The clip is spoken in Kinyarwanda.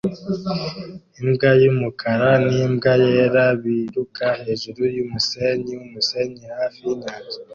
imbwa y'umukara n'imbwa yera biruka hejuru yumusenyi wumusenyi hafi yinyanja